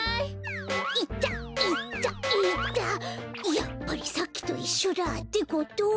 やっぱりさっきといっしょだ。ってことは。